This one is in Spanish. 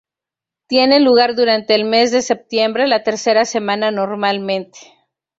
Tiene lugar durante el mes de septiembre, la tercera semana normalmente.